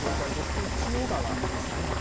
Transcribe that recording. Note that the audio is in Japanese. これ、千代川ですね。